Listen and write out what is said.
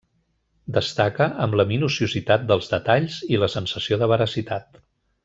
Destaca amb la minuciositat dels detalls i la sensació de veracitat.